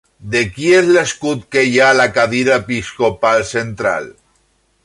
De qui és l'escut que hi ha a la cadira episcopal central?